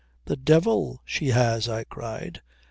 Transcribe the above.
"The devil she has," I cried.